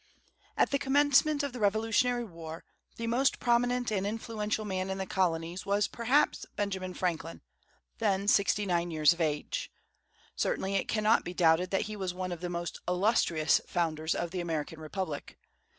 At the commencement of the Revolutionary War, the most prominent and influential man in the colonies was perhaps Benjamin Franklin, then sixty nine years of age. Certainly it cannot be doubted that he was one of the most illustrious founders of the American Republic.